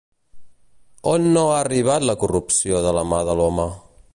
On no ha arribat la corrupció de la mà de l'home?